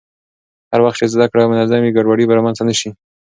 هر وخت چې زده کړه منظم وي، ګډوډي به رامنځته نه شي.